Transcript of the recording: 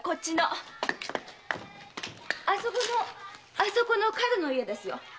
あそこの角の家ですよ。